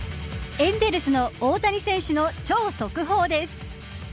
エンゼルスの大谷選手の超速報です。